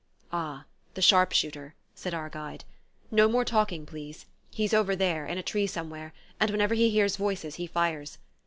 "Ah, the sharp shooter," said our guide. "No more talking, please he's over there, in a tree somewhere, and whenever he hears voices he fires.